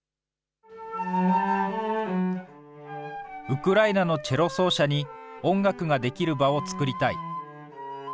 ウクライナのチェロ奏者に、音楽ができる場を作りたい。